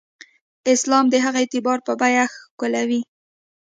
اسلام د هغه اعتبار په بیه ښکېلوي.